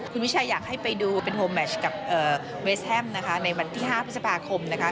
คุณวิชัยอยากให้ไปดูเป็นโฮแมชกับเวสแฮมนะคะในวันที่๕พฤษภาคมนะคะ